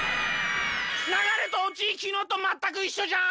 ながれとオチきのうとまったくいっしょじゃん！